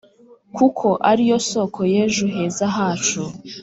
Kuko ariyo soko y’ejo heza hacu